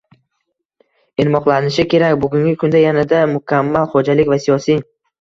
irmoqlanishi kerak. Bugungi kunda yanada mukammal xo‘jalik va siyosiy